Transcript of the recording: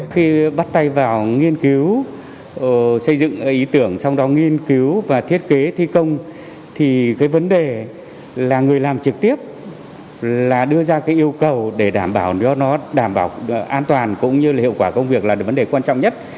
khi bắt tay vào nghiên cứu xây dựng ý tưởng sau đó nghiên cứu và thiết kế thi công thì cái vấn đề là người làm trực tiếp là đưa ra cái yêu cầu để đảm bảo cho nó đảm bảo an toàn cũng như là hiệu quả công việc là được vấn đề quan trọng nhất